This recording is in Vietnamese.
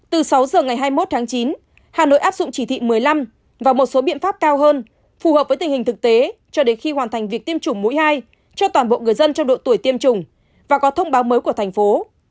từ sáu giờ ngày hai mươi một tháng chín hà nội áp dụng chỉ thị một mươi năm và một số biện pháp cao hơn phù hợp với tình hình thực tế cho đến khi hoàn thành việc tiêm chủng mũi hai cho toàn bộ người dân trong độ tuổi tiêm chủng và có thông báo mới của thành phố